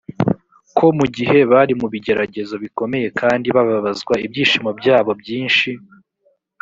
ko mu gihe bari mu bigeragezo bikomeye kandi bababazwa ibyishimo byabo byinshi